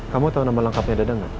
kamu tahu nama lengkapnya dada nggak